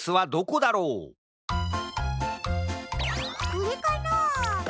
これかな？